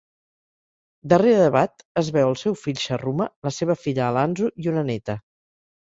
Darrere d'Hebat es veu el seu fill Sharruma, la seva filla Alanzu i una neta.